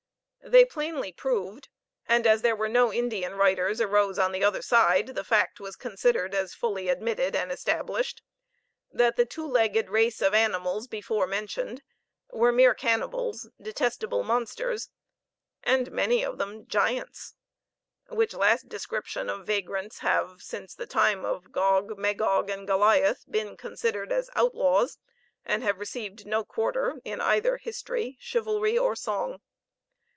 They plainly proved, and, as there were no Indian writers arose on the other side, the fact was considered as fully admitted and established, that the two legged race of animals before mentioned were mere cannibals, detestable monsters, and many of them giants which last description of vagrants have, since the time of Gog, Magog, and Goliath, been considered as outlaws, and have received no quarter in either history, chivalry, or song.